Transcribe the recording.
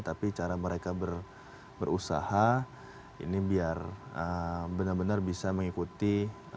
tapi cara mereka berusaha ini biar benar benar bisa mengikuti